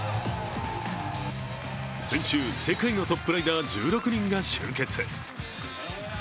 先週、世界のトップライダー１６人が集結。